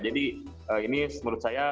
jadi ini menurut saya